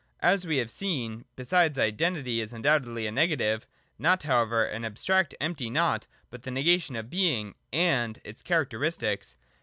As we have seen, besides, Identity is undoubtedly a negative,— not however an abstract empty Nought, but the negation of Being and its characteristics.